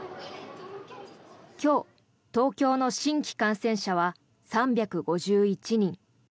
今日、東京の新規感染者は３５１人。